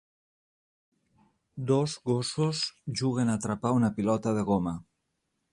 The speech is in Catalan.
Dos gossos juguen a atrapar una pilota de goma.